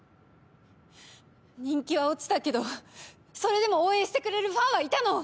人気は落ちたけどそれでも応援してくれるファンはいたの。